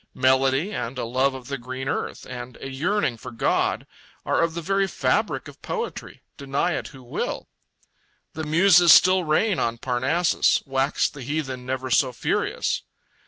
Melody, and a love of the green earth, and a yearning for God are of the very fabric of poetry, deny it who will. The Muses still reign on Parnassus, wax the heathen never so furious.